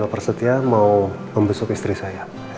udah udah udah